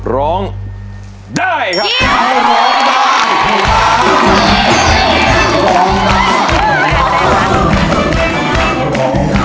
ร้องได้ครับ